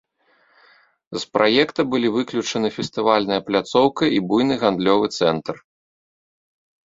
З праекта былі выключаны фестывальная пляцоўка і буйны гандлёвы цэнтр.